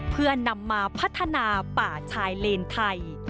เพื่อนำมาพัฒนาป่าชายเลนไทย